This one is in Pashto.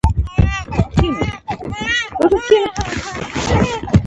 بیزو د انسانانو د عادتونو تقلید کوي.